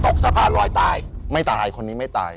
สะพานลอยตายไม่ตายคนนี้ไม่ตาย